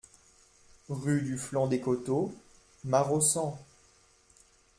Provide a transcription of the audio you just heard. Rue du Flanc des Côteaux, Maraussan